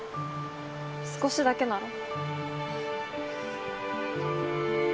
少しだけなら。